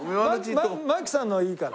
槙さんのはいいから。